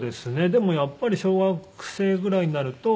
でもやっぱり小学生ぐらいになると。